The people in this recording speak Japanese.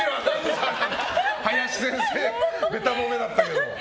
林先生がべた褒めだったけど。